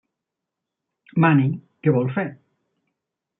Mani: què vol fer?